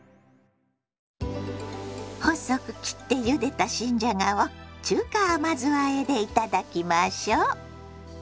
細く切ってゆでた新じゃがを中華甘酢あえでいただきましょ。